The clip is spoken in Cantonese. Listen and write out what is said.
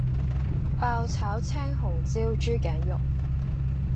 爆炒青紅椒豬頸肉